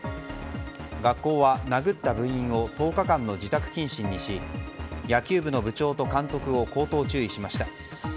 学校は殴った部員を１０日間の自宅謹慎にし野球部の部長と監督を口頭注意しました。